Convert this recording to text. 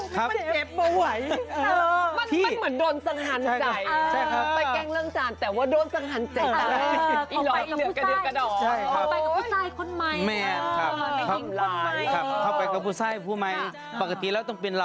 เข้าไปกับผู้ใส่ผู้ใหม่ปกติแล้วต้องเป็นเรา